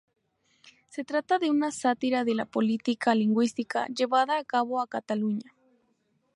Se trata de una sátira de la política lingüística llevada a cabo en Cataluña.